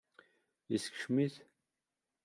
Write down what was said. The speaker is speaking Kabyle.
Yeskcem-it?